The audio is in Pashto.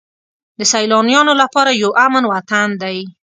د سیلانیانو لپاره یو امن وطن دی.